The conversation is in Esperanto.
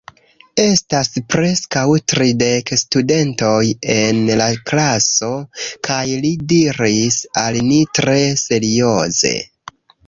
Estas preskaŭ tridek studentoj en la klaso, kaj li diris al ni tre serioze: